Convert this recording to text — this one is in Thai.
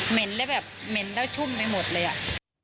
เห็นแล้วแบบเหม็นแล้วชุ่มไปหมดเลยอ่ะ